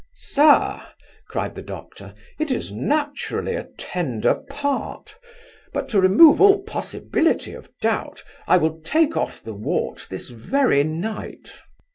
'Sir (cried the Doctor) it is naturally a tender part; but to remove all possibility of doubt, I will take off the wart this very night.